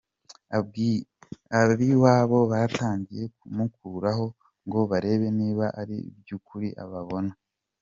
Ab’iwabo batangiye kumukoraho ngo barebe niba ariby’ukuri babona.